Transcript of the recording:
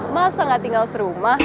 masa gak tinggal serumah